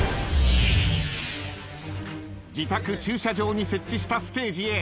自宅駐車場に設置したステージへ